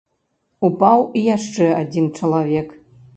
Упаў і яшчэ адзін чалавек.